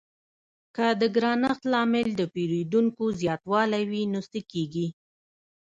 که د ګرانښت لامل د پیرودونکو زیاتوالی وي نو څه کیږي؟